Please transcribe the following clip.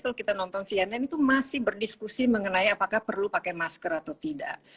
kalau kita nonton cnn itu masih berdiskusi mengenai apakah perlu pakai masker atau tidak